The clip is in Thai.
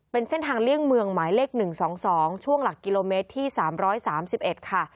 เป็นเส้นทางเลี่ยงเมืองหมายเลขหนึ่งสองสองช่วงหลักกิโลเมตรที่สามร้อยสามสิบเอ็ดค่ะ